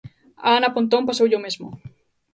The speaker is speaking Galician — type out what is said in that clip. A Ana Pontón pasoulle o mesmo.